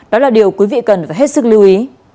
đó là điều quý vị cần phải hết sức lưu ý